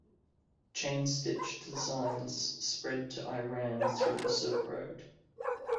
Chain stitch designs spread to Iran through the Silk Road.